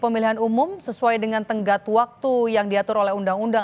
belum bisa memutuskan atau tidak bisa memutuskan